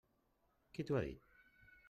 Qui t'ho ha dit?